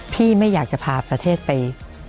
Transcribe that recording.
ไม่อยากจะพาประเทศไป